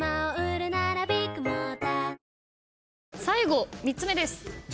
最後３つ目です。